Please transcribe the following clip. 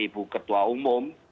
ibu ketua umum